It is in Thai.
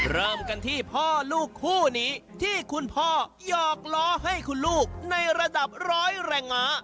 เริ่มกันที่พ่อลูกคู่นี้ที่คุณพ่อหยอกล้อให้คุณลูกในระดับร้อยแรงง้า